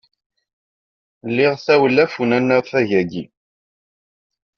Liɣ tawlaf n unafag-nni.